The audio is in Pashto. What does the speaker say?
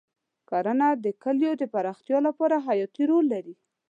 کرنه د کلیو د پراختیا لپاره حیاتي رول لري.